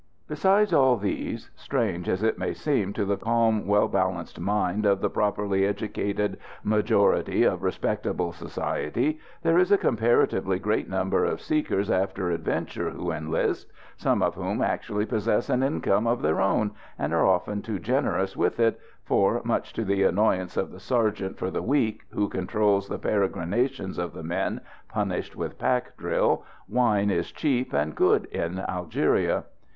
Besides all these, strange as it may seem to the calm, well balanced mind of the properly educated majority of respectable society, there is a comparatively great number of seekers after adventure who enlist, some of whom actually possess an income of their own, and are often too generous with it, for, much to the annoyance of the sergeant for the week who controls the peregrinations of the men punished with pack drill, wine is cheap and good in Algeria.